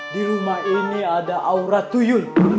di rumah ini ada aura tuyun